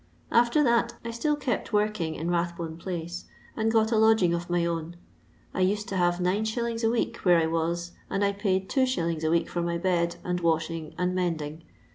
After that, I still kept working in Kathbone place, and got a lodging of my own ; I used to have 9s. a week where I was, and I paid 2s. a week for my bed, and washing, and mending.